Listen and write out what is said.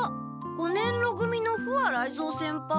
五年ろ組の不破雷蔵先輩？